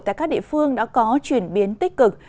tại các địa phương đã có chuyển biến tích cực